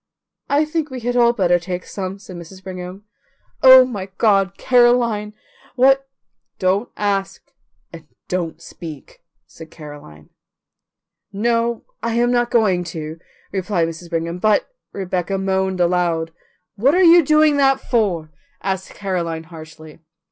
"I think we had all better take some," said Mrs. Brigham. "Oh, my God, Caroline, what " "Don't ask and don't speak," said Caroline. "No, I am not going to," replied Mrs. Brigham; "but " Rebecca moaned aloud. "What are you doing that for?" asked Caroline harshly.